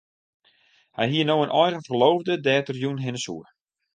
Hy hie no in eigen ferloofde dêr't er jûn hinne soe.